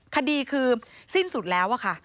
คดีคือสิ้นสุดแล้วอะค่ะ